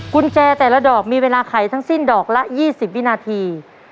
กุญแจแต่ละดอกมีเวลาไขทั้งสิ้นดอกละ๒๐วินาที